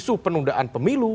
dan juga penundaan pemilu